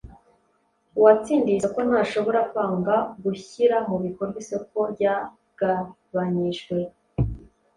Uwatsindiye isoko ntashobora kwanga gushyira mu bikorwa isoko ryagabanyijwe,